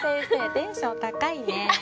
テンション高いね。